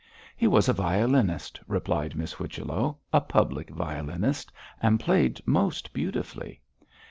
'He was a violinist,' replied Miss Whichello, 'a public violinist, and played most beautifully.